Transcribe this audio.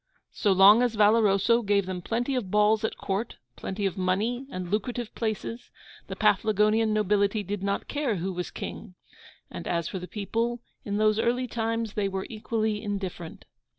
So long as Valoroso gave them plenty of balls at Court, plenty of money and lucrative places, the Paflagonian nobility did not care who was king; and as for the people, in those early times, they were equally indifferent.